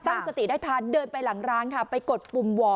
ตั้งสติได้ทันเดินไปหลังร้านค่ะไปกดปุ่มวอ